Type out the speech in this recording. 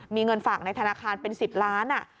มีเงินฝากในธนาคารเป็น๑๐ล้าน